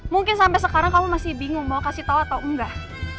mungkin sampai sekarang kamu masih bingung mau kasih tahu atau enggak